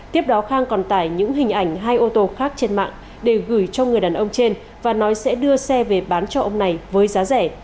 tiếp đó khang còn tải những hình ảnh hai ô tô khác trên mạng để gửi cho người đàn ông trên và nói sẽ đưa xe về bán cho ông này với giá rẻ